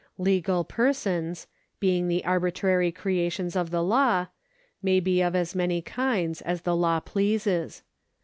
Legal persons, being the arbitrary creations of the law, may be of as many kinds as the law pleases.